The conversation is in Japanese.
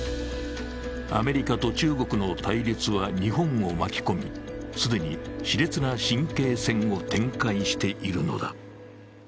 アメリカと中国の対立は日本を巻き込み、既に、しれつな神経戦を展開しているのだ。